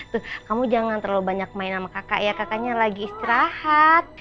terus kamu jangan terlalu banyak main sama kakak ya kakaknya lagi istirahat